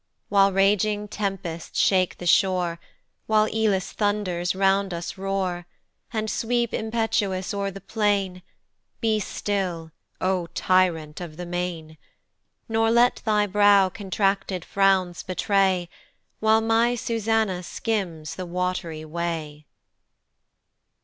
WHILE raging tempests shake the shore, While AElus' thunders round us roar, And sweep impetuous o'er the plain Be still, O tyrant of the main; Nor let thy brow contracted frowns betray, While my Susanna skims the wat'ry way.